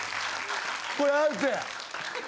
これアウトや！